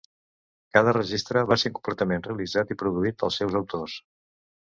Cada registre va ser completament realitzat i produït pels seus autors.